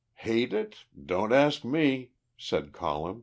"Hate it? Don't ask me," said Colin.